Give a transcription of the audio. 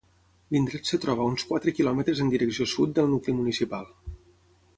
L'indret es troba a uns quatre quilòmetres en direcció sud del nucli municipal.